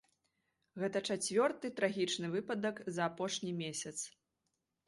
Гэта чацвёрты трагічны выпадак за апошні месяц.